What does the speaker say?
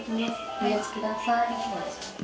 お待ちください。